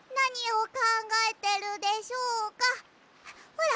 ほら！